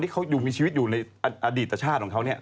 เขาอยู่มีชีวิตอยู่ในอดีตชาติของเขาเนี่ย